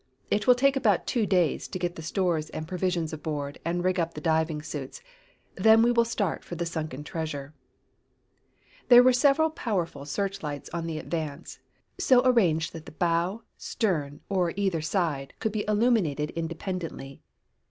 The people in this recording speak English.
"It will take about two days to get the stores and provisions aboard and rig up the diving suits; then we will start for the sunken treasure." There were several powerful searchlights on the Advance, so arranged that the bow, stern or either side could be illuminated independently.